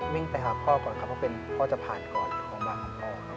วิ่งไปหาพ่อก่อนครับเพราะเป็นพ่อจะผ่านก่อนโรงพยาบาลของพ่อครับ